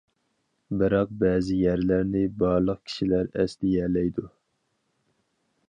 بىراق، بەزى يەرلەرنى بارلىق كىشىلەر ئەسلىيەلەيدۇ.